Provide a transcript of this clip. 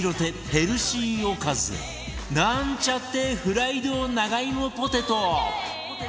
ヘルシーおかずなんちゃってフライド長芋ポテト